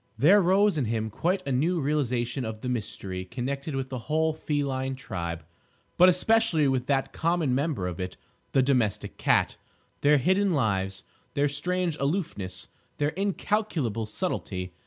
There rose in him quite a new realisation of the mystery connected with the whole feline tribe, but especially with that common member of it, the domestic cat—their hidden lives, their strange aloofness, their incalculable subtlety.